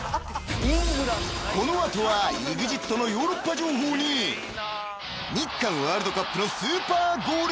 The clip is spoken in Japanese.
［この後はＥＸＩＴのヨーロッパ情報に日韓ワールドカップのスーパーゴール集］